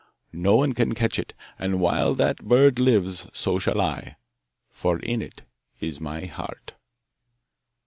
No one can catch it, and while that bird lives so shall I, for in it is my heart.